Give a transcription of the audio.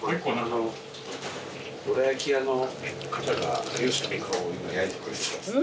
どら焼き屋の方が有吉さんの顔を今焼いてくれた。